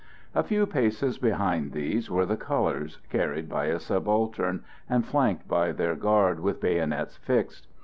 A few paces behind these were the colours, carried by a subaltern, and flanked by their guard with bayonets fixed.